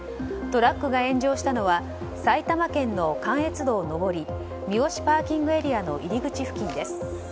トラックが炎上したのは埼玉県の関越道上り三芳ＰＡの入り口付近です。